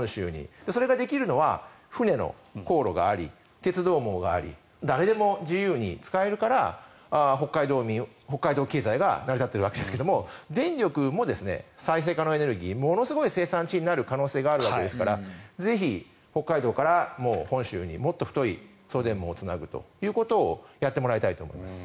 それができるのは船の航路があり鉄道網があり誰でも自由に使えるから北海道経済が成り立っているわけですが電力も再生可能エネルギーものすごい生産地になる可能性があるわけですからぜひ北海道から本州にもっと太い送電網をつなぐということをやってもらいたいと思います。